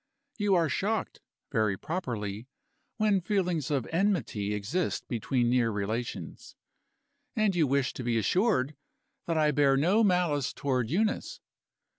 You are shocked (very properly) when feelings of enmity exist between near relations; and you wish to be assured that I bear no malice toward Eunice.